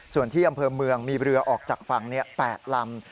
ส่วนที่อำเภอเมืองมีเรือออกจากฝั่ง๘ลำ